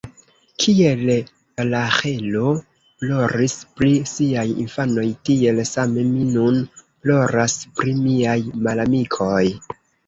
Kiel Raĥelo ploris pri siaj infanoj, tiel same mi nun ploras pri miaj malamikoj.